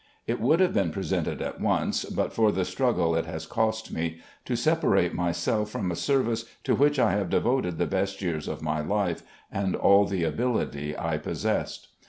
It would have been presented at once but for the struggle it has cost me to separate myself from a service to which I have devoted the best years of my life, and all the ability I possessed.